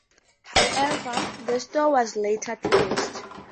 However, the store was later closed.